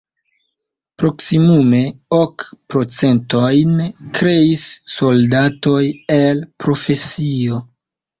Proksimume ok procentojn kreis soldatoj el profesio.